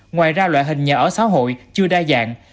ngoài ra loại hình nhà ở xã hội chưa đa dạng